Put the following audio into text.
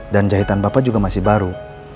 dan jahitan bapak juga masih baru